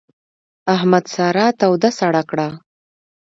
احمد سارا توده سړه کړه.